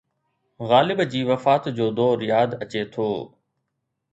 غالب جي وفات جو دور ياد اچي ٿو